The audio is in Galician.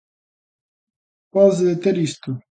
Podes deter isto.